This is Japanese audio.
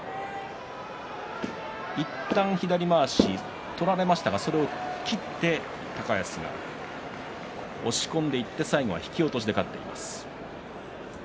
いったん左まわし取られましたがそれを切って高安が押し込んでいって最後は引き落としで勝っています。